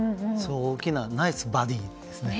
大きなナイスバディーですね。